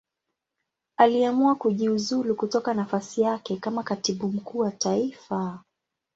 Aliamua kujiuzulu kutoka nafasi yake kama Katibu Mkuu wa Taifa.